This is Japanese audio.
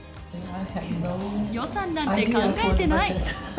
予算なんて考えてない。